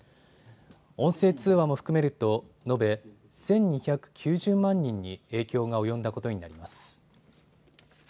音声通話も含めると延べ１２９０万人に影響が及んだことになります。